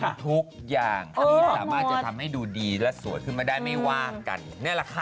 ทุกอย่างที่สามารถจะทำให้ดูดีและสวยขึ้นมาได้ไม่ว่างกันนี่แหละค่ะ